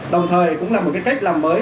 đồng thời cũng là một cách làm mới